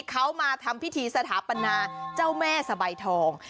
เขามาทำพิธีสถาปนาเจ้าแม่สะใบทอง